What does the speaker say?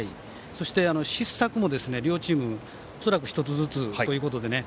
そして、失策も両チーム恐らく１つずつということでね